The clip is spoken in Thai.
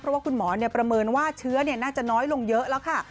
เพราะว่าคุณหมอประเมินว่าเชื้อน่าจะน้อยลงเยอะแล้วค่ะ